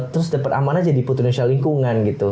terus dapat aman aja di putri indonesia lingkungan gitu